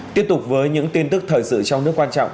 tiếp tục với những tin tức thời sự trong nước quan trọng